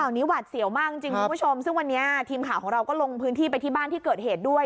นี้หวัดเสี่ยวมากจริงคุณผู้ชมซึ่งวันนี้ทีมข่าวของเราก็ลงพื้นที่ไปที่บ้านที่เกิดเหตุด้วย